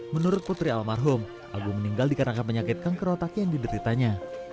menurut putri almarhum agung meninggal dikarenakan penyakit kanker otak yang dideritanya